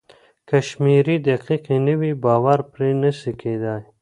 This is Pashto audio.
که شمېرې دقيقې نه وي باور پرې نسي کيدای.